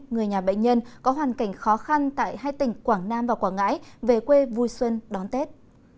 người nhà bệnh nhân có hoàn cảnh khó khăn tại hai tỉnh quảng nam và quảng ngãi về quê vui xuân đón tết